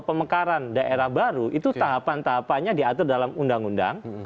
pemekaran daerah baru itu tahapan tahapannya diatur dalam undang undang